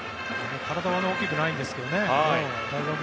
体はあまり大きくないんですけど大学